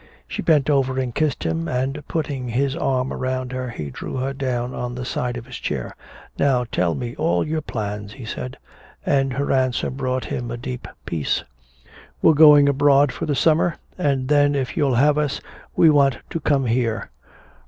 She bent over and kissed him, and putting his arm around her he drew her down on the side of his chair. "Now tell me all your plans," he said. And her answer brought him a deep peace. "We're going abroad for the summer and then if you'll have us we want to come here."